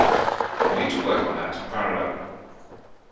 We need to work on that in parallel.